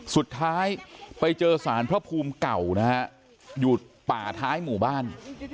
สุดท้ายไปเจอสารพระภูมิเก่านะฮะอยู่ป่าท้ายหมู่บ้าน